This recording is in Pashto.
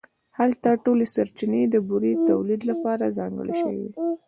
هلته ټولې سرچینې د بورې تولید لپاره ځانګړې شوې وې